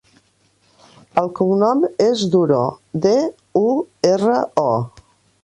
El cognom és Duro: de, u, erra, o.